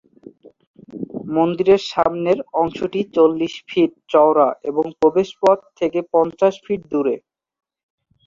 মন্দিরের সামনের অংশটি চল্লিশ ফিট চওড়া এবং প্রবেশপথ থেকে পঞ্চাশ ফিট দূরে।